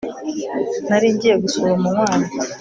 nari ngiye gusura umunywanyi